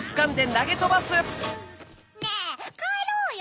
ねぇかえろうよ！